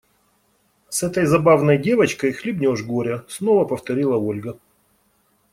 С этой забавной девочкой хлебнешь горя, – снова повторила Ольга.